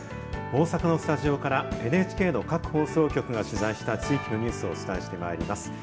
大阪のスタジオからＮＨＫの各放送局が取材した地域のニュースをお伝えしてまいります。